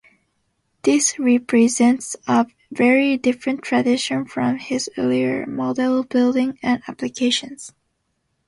This represents a very different tradition from his earlier model building and applications.